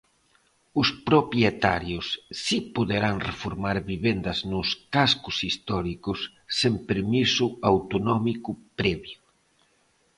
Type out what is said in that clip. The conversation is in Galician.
Os propietarios si poderán reformar vivendas nos cascos históricos sen permiso autonómico previo.